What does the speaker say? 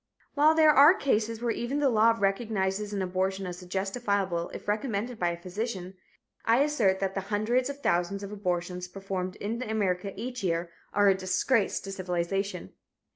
While there are cases where even the law recognizes an abortion as justifiable if recommended by a physician, I assert that the hundreds of thousands of abortions performed in America each year are a disgrace to civilization.